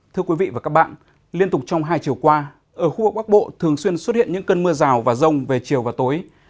thưa quý vị và các bạn liên tục trong hai chiều qua ở khu vực bắc bộ thường xuyên xuất hiện những cơn mưa rào và rông về chiều và tối